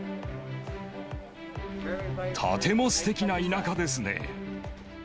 とてもすてきな田舎ですね。